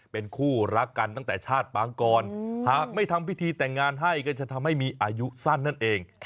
เป็นคู่รักกันตั้งแต่ชาติปางกรหากไม่ทำพิธีแต่งงานให้ก็จะทำให้มีอายุสั้นนั่นเอง